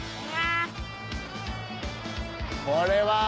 あれは。